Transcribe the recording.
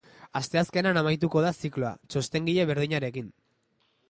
Asteazkenean amaituko da zikloa, txostengile berdinarekin.